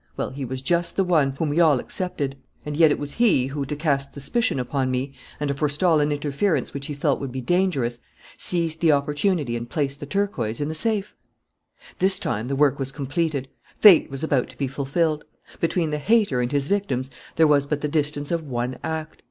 Well, he was just the one, whom we all excepted; and yet it was he who, to cast suspicion upon me and to forestall an interference which he felt would be dangerous, seized the opportunity and placed the turquoise in the safe! ... "This time the work was completed. Fate was about to be fulfilled. Between the 'hater' and his victims there was but the distance of one act.